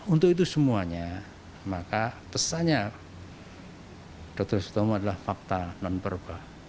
untuk itu semuanya maka pesannya dr sutomo adalah fakta non perba